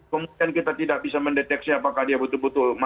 kemudian kita tidak bisa mendeteksi apakah dia betul betul masuk ke indonesia